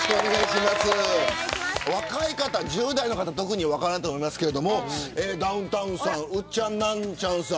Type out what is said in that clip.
若い方、１０代の方分からないと思いますがダウンタウンさんウッチャンナンチャンさん